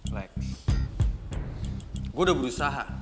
like gue udah berusaha